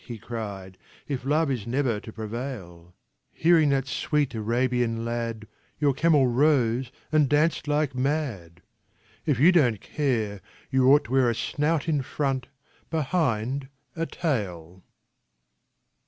he cried, "If love is never to prevail ! Hearing that sweet Arabian lad your camel rose and danced like mad ; If you don't care you ought to wear a snout in front, behind a tail."